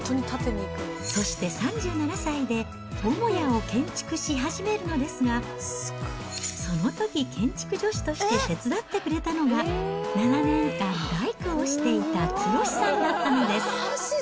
そして３７歳で母屋を建築し始めるのですが、そのとき、建築助手として手伝ってくれたのが、７年間大工をしていた清さんだったのです。